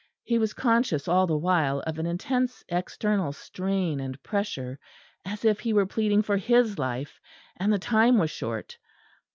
He was conscious all the while of an intense external strain and pressure, as if he were pleading for his life, and the time was short.